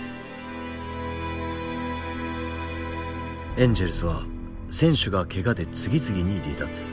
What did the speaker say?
エンジェルスは選手がケガで次々に離脱。